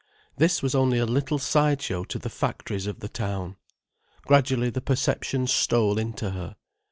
This was only a little side show to the factories of the town. Gradually the perception stole into her.